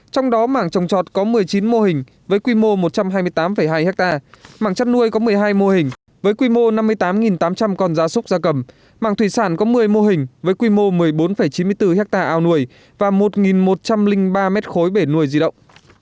trong đó mảng trồng trọt có một mươi chín mô hình với quy mô một trăm hai mươi tám hai ha mảng chất nuôi có một mươi hai mô hình với quy mô năm mươi tám tám trăm linh con gia súc gia cầm mảng thủy sản có một mươi mô hình với quy mô một mươi bốn chín mươi bốn ha ao nuôi và một một trăm linh ba m ba bể nuôi di động